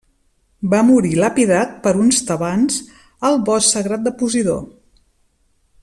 Va morir lapidat per uns tebans al bosc sagrat de Posidó.